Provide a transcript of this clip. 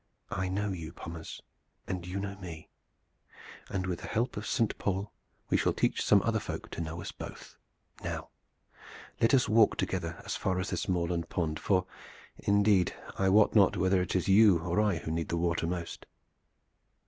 "I know you, Pommers, and you know me, and with the help of Saint Paul we shall teach some other folk to know us both. Now let us walk together as far as this moorland pond, for indeed I wot not whether it is you or I who need the water most."